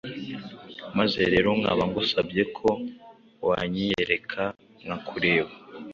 maze rero nkaba ngusabye ko wanyiyereka nkakureba